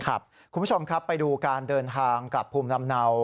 คุณผู้ชมครับไปดูการเดินทางกลับภูมิลำเนา